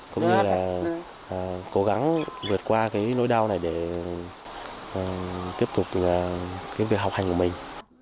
cũng như là cố gắng vượt qua cái nỗi đau này để tiếp tục cái việc học hành của mình